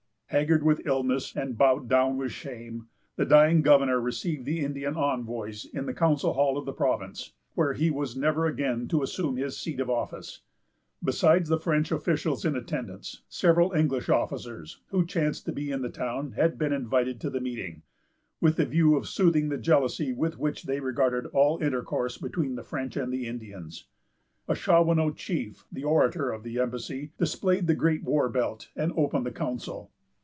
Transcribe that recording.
Haggard with illness, and bowed down with shame, the dying governor received the Indian envoys in the council hall of the province, where he was never again to assume his seat of office. Besides the French officials in attendance, several English officers, who chanced to be in the town, had been invited to the meeting, with the view of soothing the jealousy with which they regarded all intercourse between the French and the Indians. A Shawanoe chief, the orator of the embassy, displayed the great war belt, and opened the council.